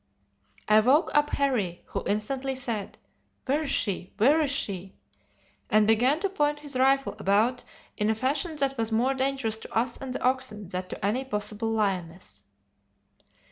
"I woke up Harry, who instantly said, 'Where is she? where is she?' and began to point his rifle about in a fashion that was more dangerous to us and the oxen than to any possible lioness.